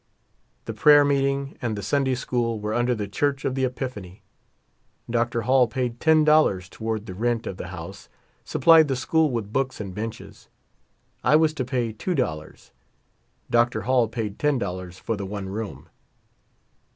The prayer meeting and the Sun day school were under the Church of the Epiphany. Dr. Hall paid |10 toward the rent of the house, supplied the school with books and benches, I was to pay $2. Dr. Hall paid $10 for the one room.